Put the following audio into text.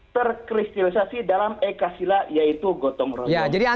terkristilsasi dalam eka sila yaitu gotong rotong